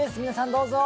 どうぞ。